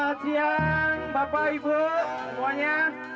selamat siang bapak ibu semuanya